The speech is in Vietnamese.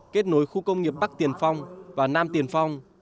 kết nối khu công nghiệp bắc tiền phong và nam tiền phong